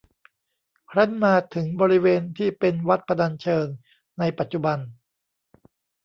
ครั้นมาถึงบริเวณที่เป็นวัดพนัญเชิงในปัจจุบัน